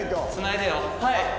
つないでよ。